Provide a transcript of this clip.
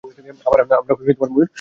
আমরা ময়ূর মারিনি।